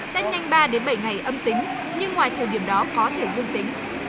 test nhanh ba bảy ngày âm tính nhưng ngoài thời điểm đó có thể dương tính